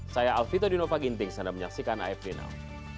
saya alfito dinova ginting sedang menyaksikan afd now